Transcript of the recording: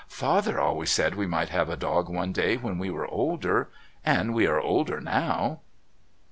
"Father always said we might have a dog one day when we were older and we are older now."